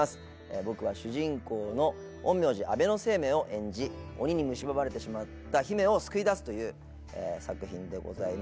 僕は主人公の陰陽師安倍晴明を演じ鬼にむしばまれてしまった姫を救い出すという作品でございます。